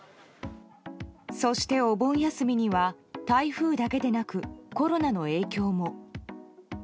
そしてお盆休みには台風だけでなくコロナの影響も。